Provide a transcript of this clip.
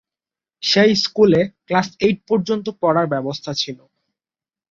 সেই স্কুলে class eight পর্যন্ত পড়ার ব্যবস্থা ছিলো।